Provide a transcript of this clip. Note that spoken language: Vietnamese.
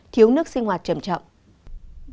thiếu nước sinh hoạt trầm trọng